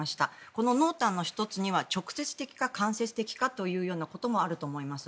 この濃淡の１つには直接的か間接的かというところもあると思います。